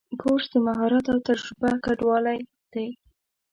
کورس د مهارت او تجربه ګډوالی دی.